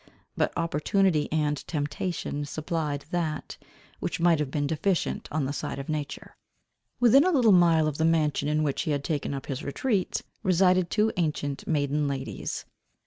But opportunity and temptation supplied that, which might have been deficient on the side of nature. Within a little mile of the mansion in which he had taken up his retreat, resided two ancient maiden ladies.